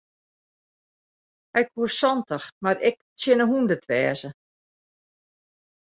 Hy koe santich mar ek tsjin de hûndert wêze.